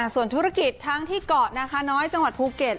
ส่วนธุรกิจทั้งที่เกาะนาคาน้อยจังหวัดภูเก็ต